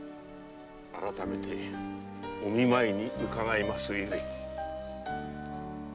改めてお見舞いに伺いますゆえ。